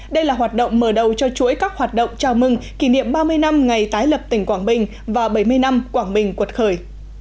đây là hoạt động mở đầu cho chuỗi các hoạt động chào mừng kỷ niệm ba mươi năm ngày tái lập tỉnh quảng bình và bảy mươi năm quảng bình quật khởi